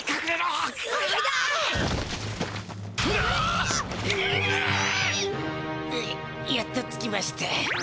うっやっと着きました。